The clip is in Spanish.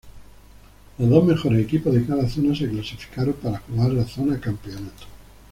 Los dos mejores equipos de cada zona se clasificaron para jugar la zona campeonato.